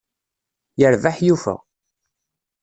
Yerbeḥ yufa!